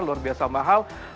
luar biasa mahal